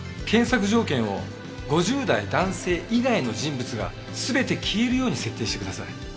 検索条件を５０代男性以外の人物が全て消えるように設定してください。